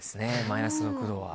マイナス６度は。